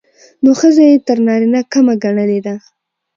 نو ښځه يې تر نارينه کمه ګڼلې ده.